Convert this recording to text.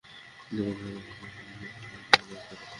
ইতিমধ্যে আমি আমার পিতৃব্যপুত্র আলী ইবনে আবু তালেবকে দেখতে পেলাম।